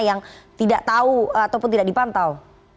yang tidak tahu ataupun tidak dipantau